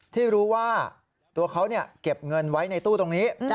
ที่รู้ว่าตัวเขาเก็บเงินไว้ในตู้ตรงนี้